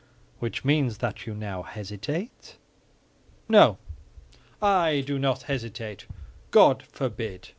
"Which means that you now hesitate?" "No, I do not hesitate; God forbid!